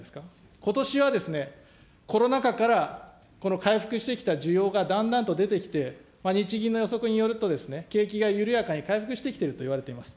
ことしはコロナ禍からこの回復してきた需要がだんだんと出てきて、日銀の予測によると、景気が緩やかに回復してきているといわれています。